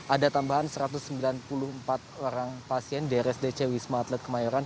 ada tambahan satu ratus sembilan puluh empat orang pasien di rsdc wisma atlet kemayoran